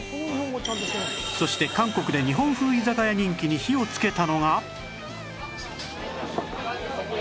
そして韓国で日本風居酒屋人気に火をつけたのが